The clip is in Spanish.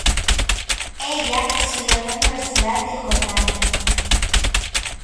Ella estudió en la Universidad de Jordania.